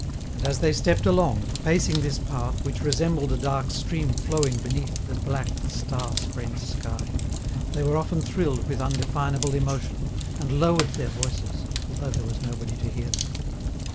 And as they stepped along, pacing this path which resembled a dark stream flowing beneath the black star sprent sky, they were often thrilled with undefinable emotion, and lowered their voices, although there was nobody to hear them.